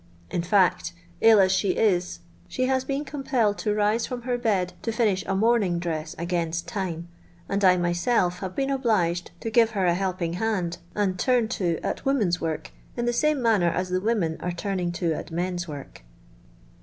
In fact, ill as she is, she has been compelled to rise from her bod to finish a mourning dress against time, and I myself have been obliged to give her a helping hand, and tura to at M omen's work in the same manner as the women are taming to at men's work.